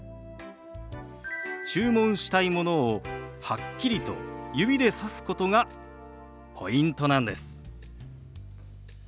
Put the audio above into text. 注文したいものをはっきりと指でさすことがポイントなんです。